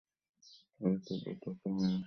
এক্ষেত্রে দ্রুত ডাক্তারের পরামর্শ নেওয়া জরুরি।